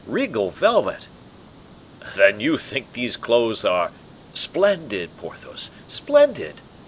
regal velvet!" "Then you think these clothes are " "Splendid, Porthos, splendid!